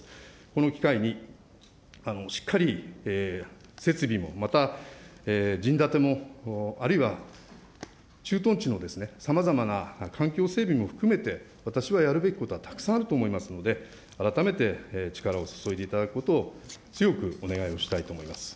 この機会に、しっかり設備も、また陣立ても、あるいは駐屯地のさまざまな環境整備も含めて、私はやるべきことはたくさんあると思いますので、改めて力を注いでいただくことを強くお願いをしたいと思います。